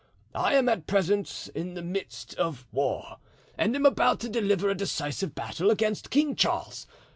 I am at present in the midst of war, and am about to deliver a decisive battle against King Charles.